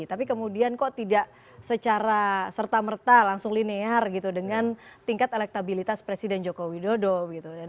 tapi kemudian kok tidak secara serta merta langsung linear gitu dengan tingkat elektabilitas presiden jokowi dodo gitu